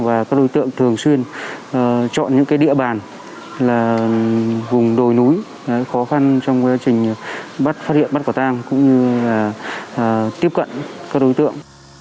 và các đối tượng thường xuyên chọn những địa bàn là vùng đồi núi khó khăn trong quá trình bắt phát hiện bắt quả tang cũng như là tiếp cận các đối tượng